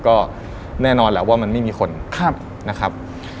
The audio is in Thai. ก็แน่นอนแหละว่ามันไม่มีคนนะครับ